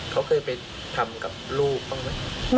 เขาเคยไปทำกับลูกบ้างไหม